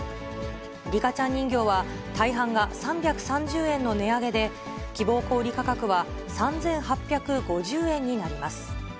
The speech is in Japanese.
リカちゃん人形は、大半が３３０円の値上げで、希望小売り価格は３８５０円になります。